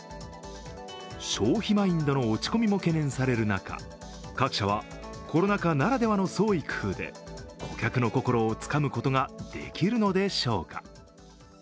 消費マインドの落ち込みも懸念される中各社はコロナ禍ならではの創意工夫で顧客の心をつかむことができるのでしょうか。